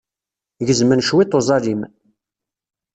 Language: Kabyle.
Gezmen cwiṭ n uẓalim.